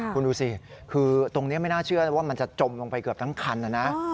คุณดูสิคือตรงนี้ไม่น่าเชื่อนะว่ามันจะจมลงไปเกือบทั้งคันนะนะ